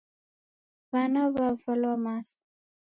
W'ana w'avalwa masa.